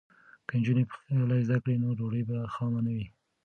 که نجونې پخلی زده کړي نو ډوډۍ به خامه نه وي.